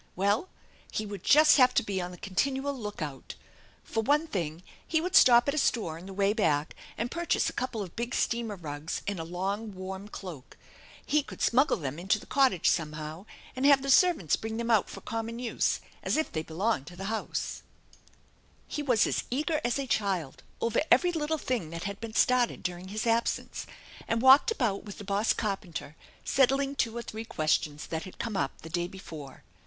Well, he would just have to be on the continual lookout. For one thing he would stop at a etore on the way back and purchase a couple of big steamer rugs and a long warm cloak. He could smuggle them into the cottage somehow and have the servants bring them out for common use as if they belonged to the nous? THE ENCHANTED BARN 295 He was as eager as a child over every little thing that had been started during his absence, and walked about with the boss carpenter, settling two or three questions that had come up the day before.